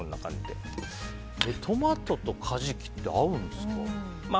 トマトとカジキって合うんですか？